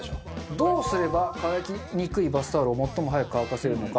どうすれば乾きにくいバスタオルを最も早く乾かせるのか？